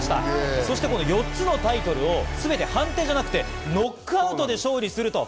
そして４つのタイトルをすべて判定ではなくてノックアウトで勝利すると。